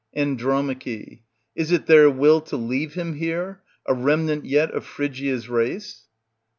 And. Is it their will to leave him here, a remnant yet of Phrygia's race